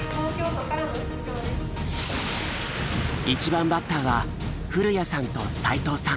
１番バッターは古谷さんと齋藤さん。